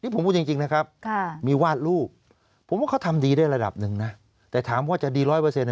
ผมพูดจริงนะครับมีวาดรูปผมว่าเขาทำดีได้ระดับหนึ่งนะแต่ถามว่าจะดีร้อยเปอร์เซ็น